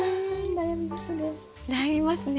悩みますね。